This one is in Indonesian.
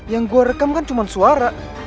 yang gue rekam kan cuma suara